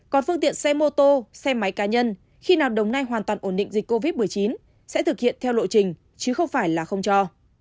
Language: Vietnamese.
còn phương tiện xe mô tô xe máy cá nhân khi nào đồng nai hoàn toàn ổn định dịch covid một mươi chín sẽ thực hiện theo lộ trình chứ không phải là không cho